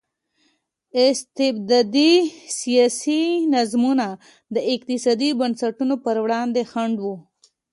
استبدادي سیاسي نظامونه د اقتصادي بنسټونو پر وړاندې خنډ وو.